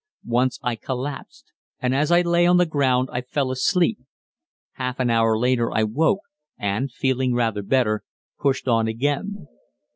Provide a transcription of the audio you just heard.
Once I collapsed, and as I lay on the ground I fell asleep. Half an hour later I woke and, feeling rather better, pushed on again.